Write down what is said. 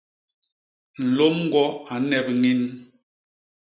Nlôm ñgwo a nnep ñin.